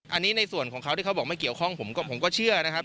อันนี้ในส่วนของเขาที่เขาบอกไม่เกี่ยวข้องผมก็เชื่อนะครับ